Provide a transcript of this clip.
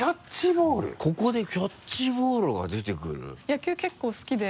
ここでキャッチボールが出てくる野球結構好きで。